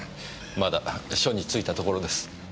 まだ緒に就いたところです。